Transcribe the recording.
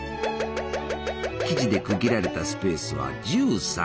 生地で区切られたスペースは１３！